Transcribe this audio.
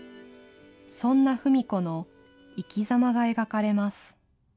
そんなふみ子の生きざまが描かれます。